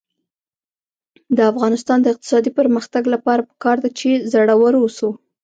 د افغانستان د اقتصادي پرمختګ لپاره پکار ده چې زړور اوسو.